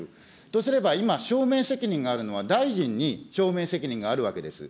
とすれば今、証明責任があるのは、大臣に証明責任があるわけです。